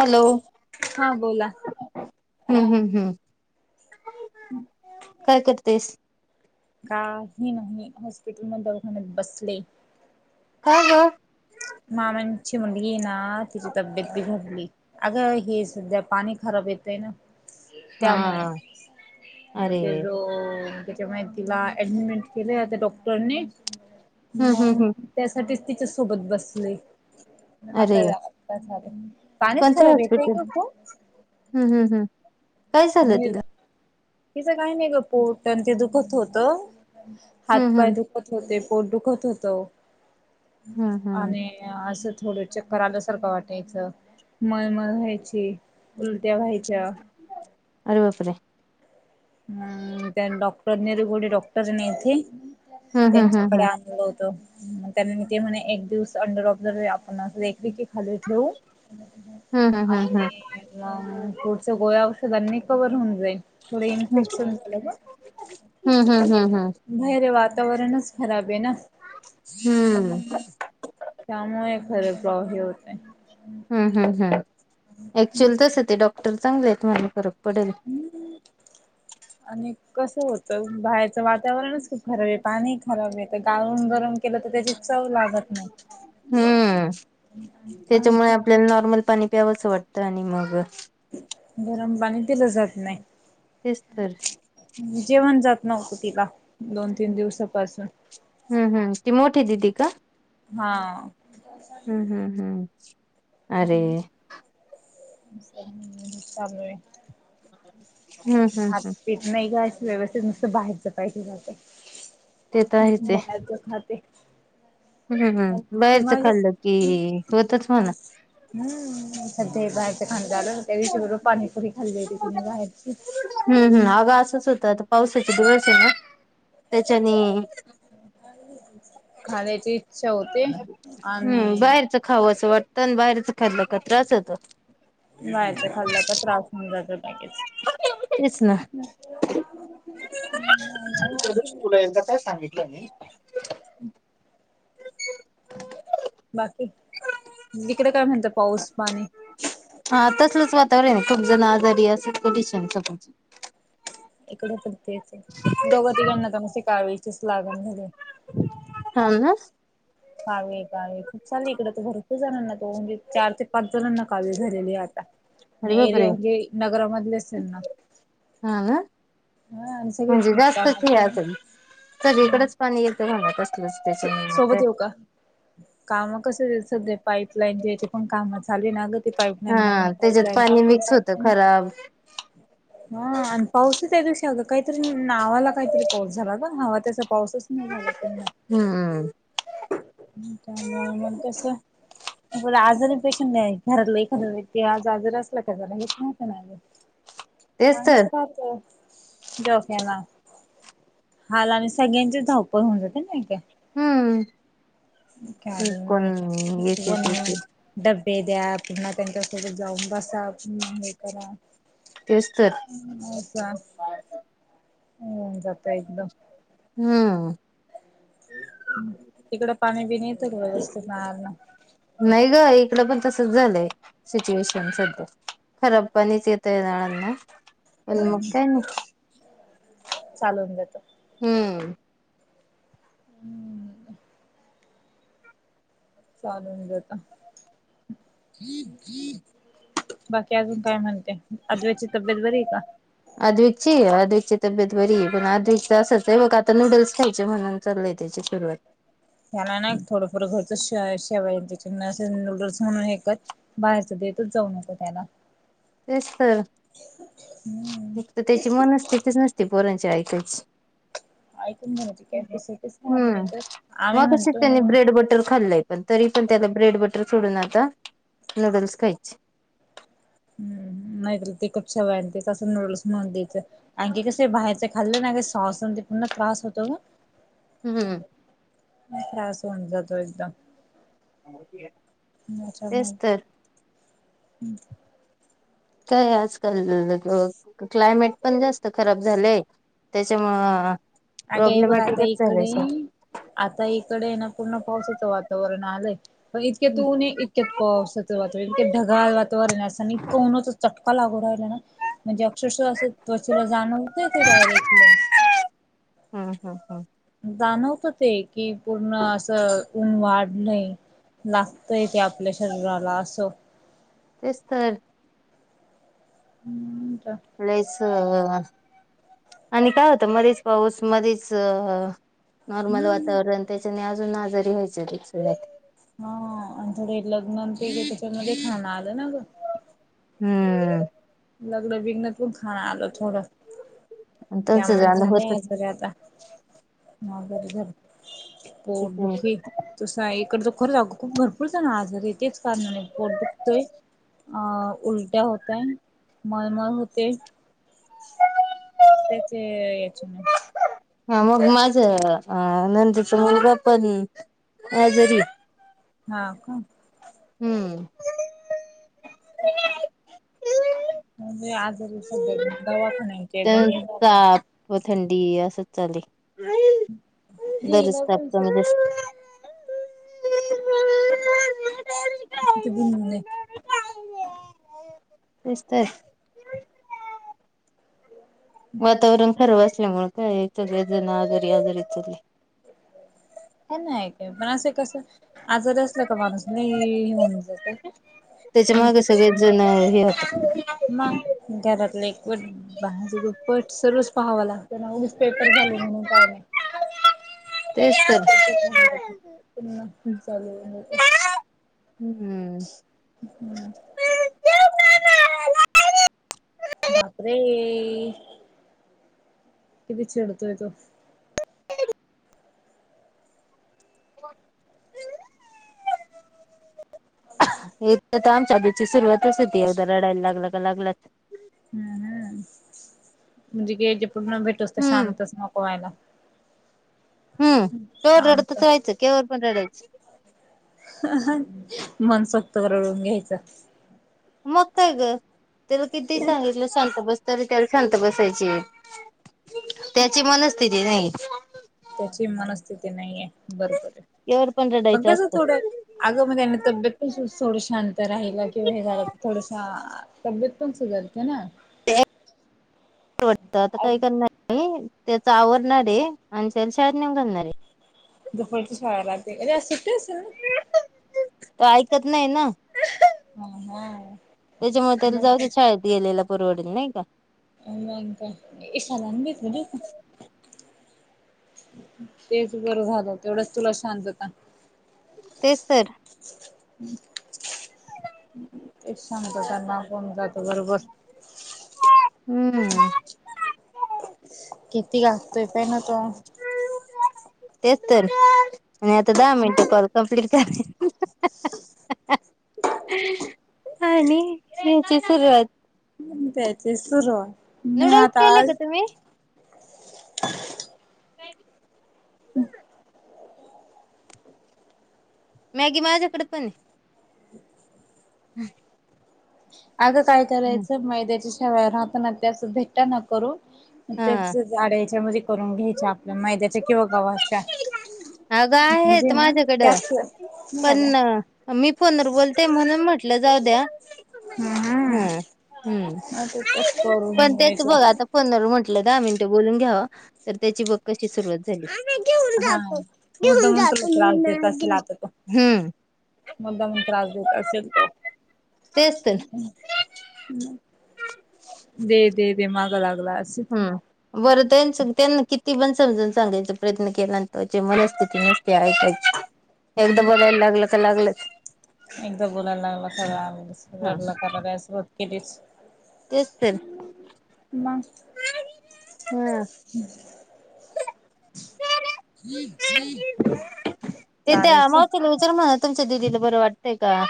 Hello हा बोला हम्म हम्म हम्म हम् काय करतेस? काही नाही हॉस्पिटल म दवाखान्यात बसलेय. हो ग मामांची मुलगी ना तिची तब्येत बिघडली. अगं हे सध्या पाणी खराब येतयं ना. हा त्यामुळे म अरे ते रोग तिला ऍडमिट केलंयं त्या डॉक्टरांनी हम्म हम्म मग हम्म त्यासाठीच तिच्या सोबत बसले. अरे आता काय झालं? पाणीच कोणतं खराब येतय हॉस्पिटल का [unintelligible] हम्म हम्म हम् काय झालं तिला? तिचं काही नाही ग पोट ते दुखत होत हात हम्म पाय हम्म दुख होते, पोट दुखत होत, हम्म हम्म आणि असं थोडं चक्कर आल्यासारखं वाटायचं. मळमळ व्हायची, उलट्या व्हायच्या. अर बापरे! आ त्यात डॉक्टर नाही इथे कोणी, डॉक्टर नाही इथे. हम्म हम्म त्यांच्याकडे हम्म आणलं होत. मग त्या म ते म्हणे एक दिवस अंडर ऑब्झर्व आपण असख की हाल ठेव हम्म हम्म हम्म हम्म आणि पुढच्या गोळ्या औषधांनी कवर होऊन जाईल थोड इन्फेक्शन झालं. हम् हम् हम हम. बाहेर वातावरणच खराब आहे ना. हम्म. त्यामुळे खर प्रॉ हे होतेय. हम् हम् हम् ऍक्च्युअल तसं ते डॉक्टर चांगले आहेत. तुम्हाला फरक पडेल. हम् आणि कस होत बाहेरचं वातावरणच क खराब आहे. पाणी खराब आहे. तर गाळून गरम केलं तर त्याची चव लागत नाही. हम्म त्याच्यामुळे आपल्याला नॉर्मल पाणी प्यावंसं वाटतं आणि मग गरम पाणी दिलं जात नाही. तेच तर जेवण जात नव्हतं तिला, दोन तीन दिवसापासून. हम्म हम् ती मोठी दिदी का? हा हम्म हम्म हम्म अरे! चालू आहे. ह. खात पीत नाही ग व्यवस्थित नुसतं बाहेरच पाहिजे जाते ते तर आहेच आहे. बाहेरच खाते. हम्म हम् ती बाहेरचं माझी खाल्लं की, होतच म्हणा. हम् सध्या बाहेरच खाण झालं त्या दिवशी बर पाणीपुरी खाली होती तिने बाहेरची. हम् हम अगा असंच होतं आ पावसाचा दिवस आहे ना, त्याच्याने खाण्याची इच्छा होते आणि खावासं वाटत आन बाहेरच खाल्लं का त्रास होत. बाहेरच खाल्ल का त्रास होऊन जात लगेच. [inaudible] काय सांगितलं नाही बाकी इकडे काय म्हणत, पाऊस पाणी. हा तसलच वातावरण आहे खूप जण आजारी असे कनडिशन स्वतःच इकडे तर तेच. गवतीगण ला तर नुसती काविलचीच लागण झाली. हा ना. काविल, काविल खूप चांललेय इकडे. तर भरपूर जणांना तो म्हणजे चार ते पाच जणांना काविल झालेले आता. अरे आणि एरिया बापरे म्हनजे नगरामधले च असेल ना. हा ना हा आणि सगळे म्हणजे जास्तच हे खोदकामाचे असेल. हा सगळीकडेच पाणी ते कसलंच त्याच्या सोबत [inaudible] येऊ का? काम कस सध्या पाईपलाईन ज्यायचे पण काम चाले ना ग. ते पाईपलाईन, नवीन हा त्याच्यात पाईपलाईन पाणी टाकून, मिक्स होतं पाईपलाईन खराब हा आणि पाऊसच त्या दिशी काहीतरी नावाला काहीतरी पाऊस झाला ग हवा तसा पाऊसच नाही झाला हुं. मुळे मग कस बोलू आजारी पेशन नाही घरातलं एखादं व्यक्ती आज आजर असला का, जरा हेच राहतं ना ग. तेच तर ताणच राहातं डोक्याला हाल आणि सगळ्यांचीच धावपळ होऊन जाते नाही कां. हम्म. कोण कारण एक एक एक वणवण एक डब्बे द्या पुन्हा त्यांच्यासोबत जाऊन बसा पुन्हा हे करा. तेच तर. हो का होवून जातंय एकदम. हम्म. तिकडं पाणी बिणी येत व्यवस्थित नळांना. नाही ग इकडं पण तसंच झालंय सिच्युएशन सध्या. खराब पाणीच येतंय नळांना. पण मग हम्म काय नाही चालून जातो. हम्म. हम्म. चालून जात. बाकी अजून काय म्हणते, अद्विकची तब्येत बरी आहे का? अद्विक ची अद्विकची तब्येत बरीय पण, अद्विक असंच आहे बघ आता नूडल्स खायचे म्हणून चाललीय त्याची सुरुवात. याला ना थोडंफार घरचं शेव शेवयायांचे च असं नूडल्स म्हणून हे कर. बाहेरचं देतच जाऊ नको त्याला. तेच तर हम्म फक्त त्याची मनस्थितीच नसते पोरांची ऐकायची. ऐकून घेण्याची कॅपॅसिटीच राहत हम्म नाही तर आम्ही मकाशी म्हणतो ना त्यानी ब्रेड बटर खाल्लंय. पण तरी पण त्याला ब्रेड बटर सोडून आता नूडल्स खायचे. हम्म नाहीत ते खूप सवय आण ते कसं नूडल्स म्हणून द्यायचं. आणखी कसय बाहेरचं खाल्लं ना का स्वाससून ते पुन्हा त्रास होतो ग. हम्म. त्रास होऊन जातो एकदम. [unintelligible] अच्छा तेच मग तर हं. काय आजकाल अ क्लायमेट पण जास्त खराब झालंय. त्याच्यामुंळ अ अगं हे बघ आता इकडे आता इकडे य ना पूर्ण पावसाचं वातावरण आलंय. पण इतक्या त हम्म. ऊणय इतक्यात पावसाचं वातावरण इतक्यात ढगाळ वातावरण असं नी इतक ऊण होत चट का लागू रायला ना म्हणजे अक्षरशः असं त्वचेला जाणवतय ते डायरेक्टली. हम्म हम्म हां. जाणवत ते कि पूर्ण असं ऊन वाढलंय लागतंय ते आपल्या शरीराला असं. तेच तर हम्म का? प्लेस अ आणि काय होतं मध्येच पाऊस मध्येच अ नॉर्मल हम्म वातावरण त्याच्याने आजून आजारी व्हायचं ते सगळे. हा आणि थोडे लग्न ते त्याच्यामध्ये खाणं आलं ना ग. हम्म. लग्न बिगण्यातून खाणं आलं थोडं. त्यांचं त्यामुळे जाणं झाले होतच आज बरे आता म बर झालं. पोट त्याच्यामुळे. दुखी तसं आहे इकडं त खरं आग खूप भरपूर जण आजारीय तेच कारणाने पोट दुखतंय अ उलट्या होतय मळमळ होते. त्याचे याच्या ना हा मग माझं अ नंदेचा मुलगा पण आजरी - ये हा का हम्म म्हणजे आजारी सध्या दवा त्याच ताप व थंडी असं चालय. नाही बरच इलाज टाकतो म्हण किती भुणभुण ये. [unintelligible] वातावरण खरब असल्यामुळे काय सगळे जण आजारी आजारी चाले. ह नाही काय पण असं कसं आजार असला का माणूस लय होऊन जातय का इन्फेक्शन नाही. [inaudible] म घरातलं एकवट बाहेर पट सर्वच पाहावा लागते ना उगीच पेपर झाले म्हणून काय नाही तेच तर. [unintelligible] हम् हम् हम्म बापरे किती चिडतोय तो हे तर तर आमच्या आधीची सुरुवातच होती एकदा रडायला लागला का लागलाच. हम् हम् म्हणजे ग जे पूर्ण भेटू तोवर हम्म शांतच नको व्हायला. हम् तोवर शांत रडतच राहायचं केवर पण रडायचं. मला सोक्त रडून घ्यायचं मग काय ग तला किती सांगितलं शांत बस. तरी त्याला शांत बसायची त्याची मनस्थिती नाही. त्याची मनस्थिती नाही आहे बरोबर आहे यावर पण पग रडायचं कस असतं थोडं आहे. अगामध्येध्येना तब्येत पण थोड शांत राहिलं किंवा हे झालं थोडस. तब्येत पणच सुधारते ना. ह. वाटत आता काही करणार नाही त्याचा आवरणारे आणिला शाळेत नेऊन घालणारे. दुपारची शाळा राहते अर आज सुट्टी असेल ना. त ऐकत नाही ना. हा हा. त्याच्यामुळे त्याला मग जाऊ ते काय? शाळेत गेलेला परवडल नाही का? [unintelligible] तेच बरं झालं, तेवढंच तुला शांतता. तेच तर एक सांगत त्यां ना कोण जातो बरोबर हम्म. किती गाासतोय प ना तो हो. तेच तर आणि आता दहा मिनटं कॉल कम्प्लीट करते. [unintelligible] आणि याची सुरुवात त्याचे सुरू आहे. नूडल्स केले का तुम्ही? मॅगी माझ्याकडे पण. हम्. अगं काय करायचं मैद्याच्या शेवया राहतना त्या असं भेटन करून हा त्याच अडायच्या मध्ये करून घ्यायच्या. आपल्या मैद्याच्या किंवा गव्हाच्या. अगं म्हणजे आहेत ना माझ्याकडं. त्याच नाही का पण काय मी फ़ोन वर बोलते, म्हणून म्हटलं जाऊ द्या. हम्म हम् हम्म त्याच करून पण तेच घ्यायच्या बघ आता फोनवर म्हंटलं दहा मिनटं बोलून घ्याव, तर त्याची बघ कशी सुरुवात झाली. मुद्दाहुन तुला त्रास देत असेल आता तो. हम्म मुद्दाहुन त्रास देत असेल तो तेच तर दे दे दे माग लागलाय अस. हा. बरं त्यां त्यांना किती पण समजून सांगायचा प्रयत्न केला, न त्यांची मनस्थिती नसती ऐकाची हम्म एकदा हम्म. बोलायला लागलं का लागलंच. एकदा बोलायला लागला की हा [unintelligible] सुरवात केलीच. तेच तर. हम. ह. तेथ चल. मावतीला विचार म्हणा तुमच्या दिदीला बरं वाटतंय का?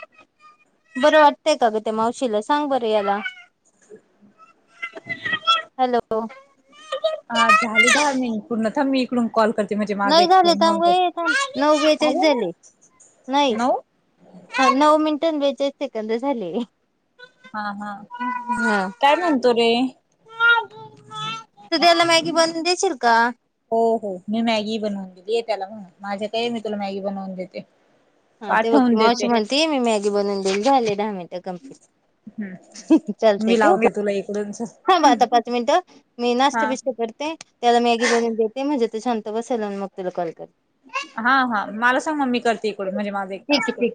बरं वाटतंय का ग ते मावशीला, सांग बरं याला ह. हॅलो. ह झाली दहा मिनिट पूर्ण मी इकडून कॉल करते म्हणजे माझा नाही एक झाले पूर्ण थांब होतो. गं थांब नऊ बेचाळीस झाले नाही नऊ मिनिटआणि बेचालीस सेकंद झाले. हा हा, हा. काय म्हणतो रे? तू त्याला मॅगी बनवून देशील का? हो हो. मी मॅगी बनवून दिली आहे त्याला, म्हणून माझ्या कडे ये मी तुला मॅगी बनवून देते. हा ते बघ ती पाठवून मावशी देते म्हणते मी मॅगी बनून देईन. झाले दहा मिनिट. हम्म चालतेय मी ठेऊ लावते का? तुला इकडून च थांबा आता पाच मिनिटं मी नाष्टा - बिश- त्याला मॅगी बनवून देते, म्हणजे ते शांत बसेल आणि मग तुला कॉल करते. हा हा मला सांग मग मी करते इकडून म्हणजे माझा एक टास्क होईल.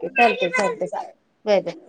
हा चालेल. बर. हा.